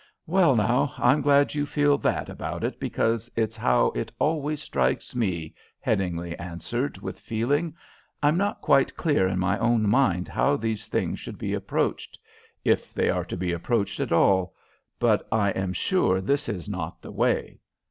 "Well, now, I'm glad you feel that about it, because it's how it always strikes me," Headingly answered, with feeling. "I'm not quite clear in my own mind how these things should be approached, if they are to be approached at all, but I am sure this is not the way.